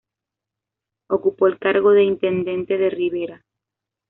Ocupó el cargo de Intendente de Rivera.